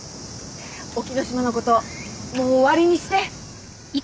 沖野島のこともう終わりにして。